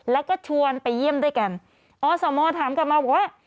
แล้วก็ชวนไปเยี่ยมด้วยกันอสมถามกลับมาบอกว่า